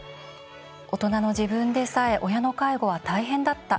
大人の自分でさえ親の介護は大変だった。